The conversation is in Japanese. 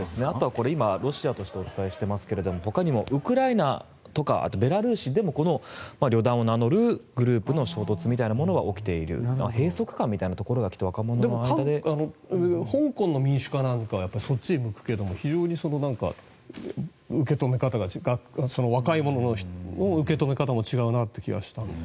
今、ロシアとしてお伝えしていますがほかにもウクライナとかベラルーシでもリョダンを名乗るグループの衝突みたいなものが起きている閉塞感みたいなところが香港の民主化はそっちへ向くけど非常に受け止め方が若者の受け止め方も違うなという気がしたんですね。